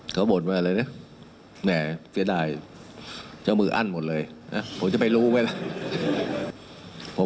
เขาบ่นมาอะไรเนี่ยแม่เฟียดายเจ้ามืออั้นหมดเลยผมจะไปรู้ไว้แล้ว